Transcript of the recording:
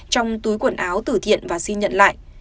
trong túi quần áo tử thiện và xin nhận lại